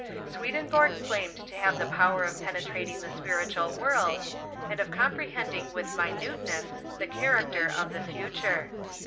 Swedenborg claimed to have the power of penetrating the spiritual world, and of comprehending with minuteness the character of the future.